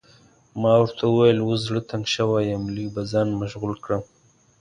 ما ورته وویل اوس زړه تنګ شوی یم، لږ به ځان مشغول کړم.